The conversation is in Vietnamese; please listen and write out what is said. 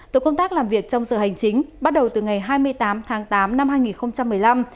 tổ công tác làm việc trong giờ hành chính bắt đầu từ ngày hai mươi tám tháng tám năm hai nghìn một mươi năm